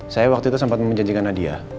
saya waktu itu sempat menjanjikan nadia